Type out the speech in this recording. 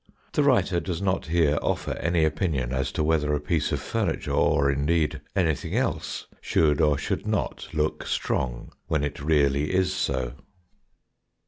The writer does not here offer any opinion as to whether a piece of furniture, or indeed anything else, should or should not look strong when it really is so.